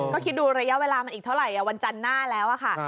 ก็คิดดูระยะเวลามันอีกเท่าไหร่วันจันทร์หน้าแล้วค่ะ